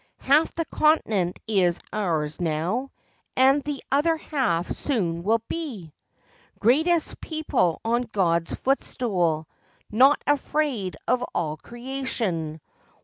Half the continent is ours now, And the other half soon will be! Greatest people on God's footstool! Not afraid of all creation!